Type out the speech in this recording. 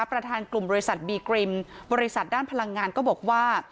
ประธานกลุ่มบริษัทบีกริมบริษัทด้านพลังงานก็บอกว่า